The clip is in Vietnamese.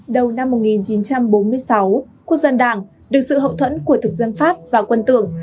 đầu năm một nghìn chín trăm bốn mươi sáu quốc dân đảng được sự hậu thuẫn của thực dân pháp và quân tưởng